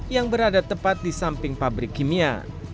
yang berada tepat di samping pabrik kimia